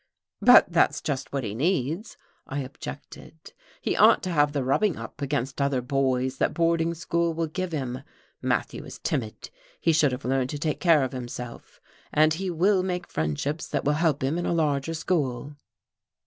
"But that's just what he needs," I objected. "He ought to have the rubbing up against other boys that boarding school will give him. Matthew is timid, he should have learned to take care of himself. And he will make friendships that will help him in a larger school."